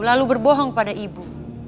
lalu berbohong pada ibu